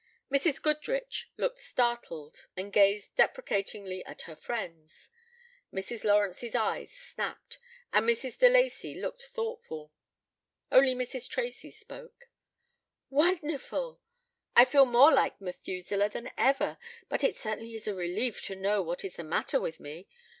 Mrs. Goodrich looked startled and gazed deprecatingly at her friends. Mrs. Lawrence's eyes snapped, and Mrs. de Lacey looked thoughtful. Only Mrs. Tracy spoke. "Wonderful! I feel more like Methuselah than ever. But it certainly is a relief to know what is the matter with me.